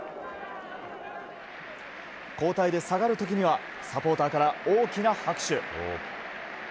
交代で下がる時にはサポーターから大きな拍手。